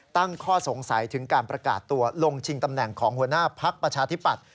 ตั้งข้อสงสัยถึงการประกาศตัวลงชิงตำแหน่งของหัวหน้าพักประชาธิปัตย